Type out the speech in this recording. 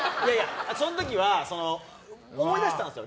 その時は思い出したんですよ。